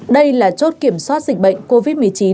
đây là chốt kiểm soát dịch bệnh covid một mươi chín